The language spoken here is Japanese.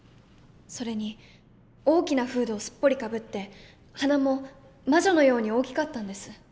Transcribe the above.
それに大きなフードをすっぽりかぶって鼻も魔女のように大きかったんです。